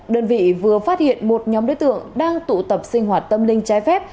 đơn vị vừa phát hiện một nhóm đối tượng đang tụ tập sinh hoạt tâm linh trái phép